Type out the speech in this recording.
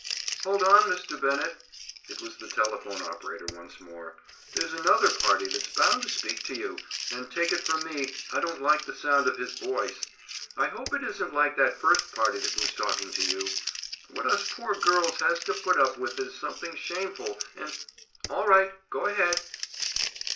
"Hold on, Mr. Bennett." It was the telephone operator once more. "There's another party that's bound to speak to you, and take it from me I don't like the sound of his voice. I hope he isn't like that first party that was talking to you. What us poor girls has to put up with is something shameful, and—All right. Go ahead."